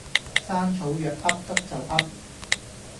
山草藥噏得就噏